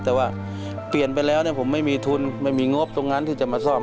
แต่ว่าเปลี่ยนไปแล้วผมไม่มีทุนไม่มีงบตรงนั้นที่จะมาซ่อม